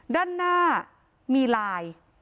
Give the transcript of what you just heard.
ด้านหน้ามีลาย